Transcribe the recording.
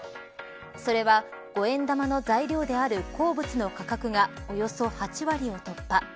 それは５円玉の材料である鉱物の価格がおよそ８割を突破。